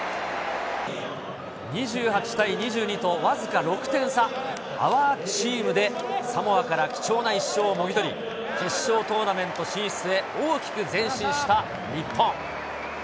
２８対２２と、僅か６点差、ＯｕｒＴｅａｍで、サモアから貴重な１勝をもぎ取り、決勝トーナメント進出へ大きく前進した日本。